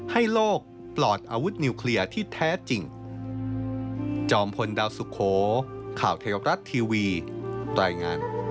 ให้โลกปลอดอาวุธนิวเคลียร์ที่แท้จริง